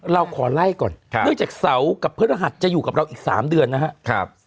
เราขอไล่ก่อนเนื่องจากเสาร์กับพฤหัสจะอยู่กับเราอีก๓เดือนนะครับ